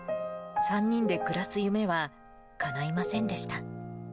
３人で暮らす夢はかないませんでした。